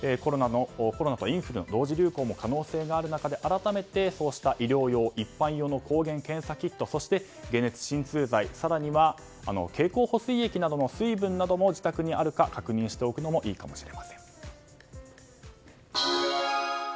コロナとインフルの同時流行の可能性もある中で改めてそうした医療用、一般用の抗原検査キットそして、解熱鎮痛剤更には経口補水液なども自宅にあるか確認しておくのもいいかもしれません。